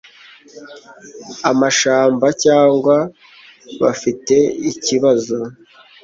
amashamba cyangwa bafite ikibazo